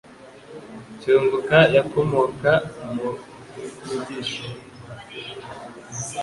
Cyunguka yakomoka mu rugisha.